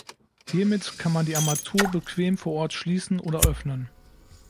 Hiermit kann man die Armatur bequem vor Ort schließen oder öffnen.